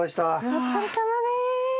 お疲れさまです。